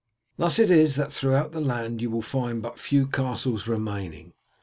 Thus it is that throughout the land you will find but few castles remaining.